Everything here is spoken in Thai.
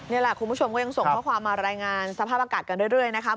นี่แหละคุณผู้ชมก็ยังส่งข้อความมารายงานสภาพอากาศกันเรื่อยนะคะ